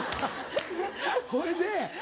ほいで？